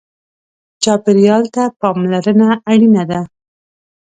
چاپېریال ته پاملرنه اړینه ده.